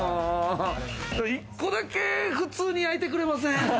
１個だけ普通に焼いてくれません？